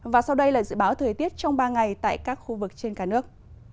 và sau đây là dự báo thời tiết trong ba ngày tại các khu vực trên cả nước